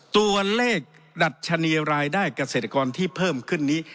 ตัวเลขดัชนีรายได้เกษตรกรที่เพิ่มขึ้นนี้